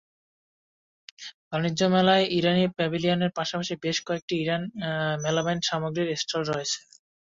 বাণিজ্য মেলায় ইরানি প্যাভিলিয়নের পাশাপাশি বেশ কয়েকটি ইরানি মেলামাইন সামগ্রীর স্টল রয়েছে।